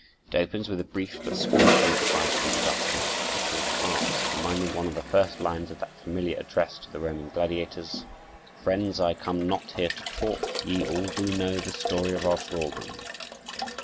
It opens with a brief but scornfully defiant introduction, a call to arms, reminding one of the first lines of that familiar address to the Roman gladiators: "Friends, I come not here to talk; ye all do know the story of our thraldom."